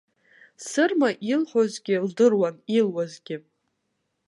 Сырма илҳәозгьы лдыруан, илуазгьы.